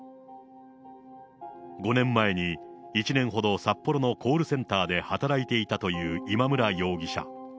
５年前に、１年ほど札幌のコールセンターで働いていたという今村容疑者。